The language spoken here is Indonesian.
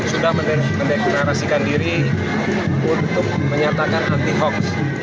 sudah mendeklarasikan diri untuk menyatakan anti hoax